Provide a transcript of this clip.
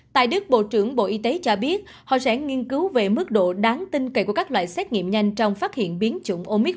tại đức bộ trưởng bộ y tế cho biết họ sẽ nghiên cứu về mức độ đáng tin cậy của các loại xét nghiệm nhanh